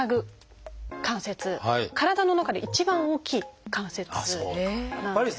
体の中で一番大きい関節なんです。